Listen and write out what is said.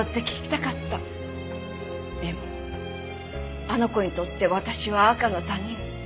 でもあの子にとって私は赤の他人。